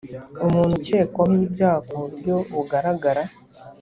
umuntu ukekwaho ibyaha ku buryo bugaragara